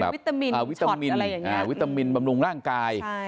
วิตามินชอตอะไรอย่างเงี้ยวิตามินบำรุงร่างกาย